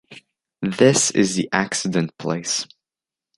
This is the accident place.